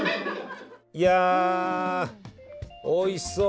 いやおいしそう。